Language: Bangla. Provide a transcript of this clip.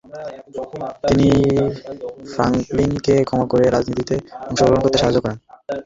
তিনি ফ্রাঙ্কলিনকে ক্ষমা করেন ও রাজনীতিতে অংশগ্রহণ করতে সাহায্য করেন।